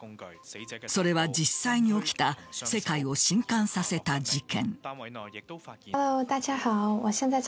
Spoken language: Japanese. それは実際に起きた世界を震撼させた事件。